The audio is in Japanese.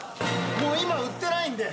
もう今売ってないんで。